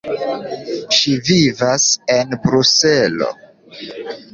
Ŝi vivas en Bruselo.